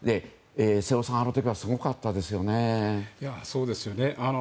瀬尾さん、あの時はすごかったですよね。